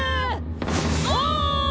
お！